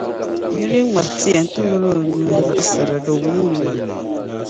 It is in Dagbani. Nira yi ŋmari tia nti mali o nuu luɣisira, di wum’ o mi maa.